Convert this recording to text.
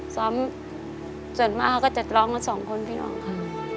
ซ้อมส่วนมากก็จะร้องกันสองคนพี่น้องค่ะ